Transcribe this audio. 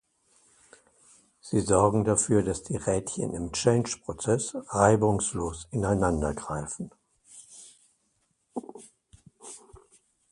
Sie sorgen dafür, dass die Rädchen im Change-Prozess reibungslos ineinandergreifen.